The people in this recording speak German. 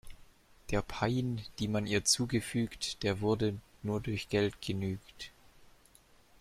Der Pein, die man ihr zugefügt, der werde nur durch Geld genügt.